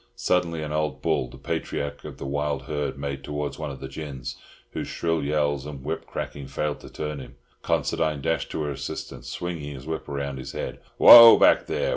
Suddenly an old bull, the patriarch of the wild herd, made towards one of the gins, whose shrill yells and whip cracking failed to turn him. Considine dashed to her assistance, swinging his whip round his head. "Whoa back, there!